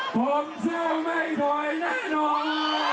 ผมจะไม่ถอยแน่นอน